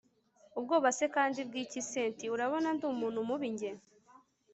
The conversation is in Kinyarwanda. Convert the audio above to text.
ubwoba se kandi bwiki cynti! urabona ndumuntu mubi njye!